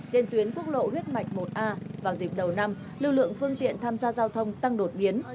trên tuyến quốc lộ huyết mạch một a vào dịp đầu năm lưu lượng phương tiện tham gia giao thông tăng đột biến